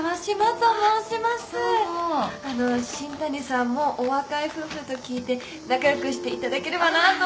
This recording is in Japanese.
あの新谷さんもお若い夫婦と聞いて仲良くしていただければなと思いまして。